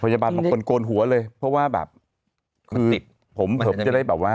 เออพยาบาลมันกลกลอนหัวเลยเพราะว่าแบบคือผมพยาบาลด้วยแบบว่า